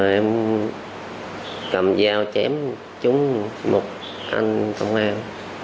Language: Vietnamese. em cầm dao chém trúng một anh công an